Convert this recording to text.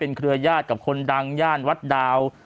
เป็นเครือญาติกับคนดังญาติวัฒน์ดาว